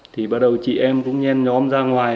thì bắt đầu chị em cũng nhen nhóm ra ngoài